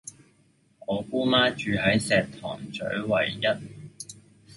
我姑媽住喺石塘嘴維壹